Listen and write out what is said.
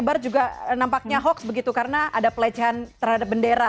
informasi sebelumnya yang sempat menyebar juga nampaknya hoax begitu karena ada pelecehan terhadap bendera